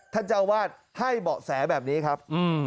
เจ้าวาดให้เบาะแสแบบนี้ครับ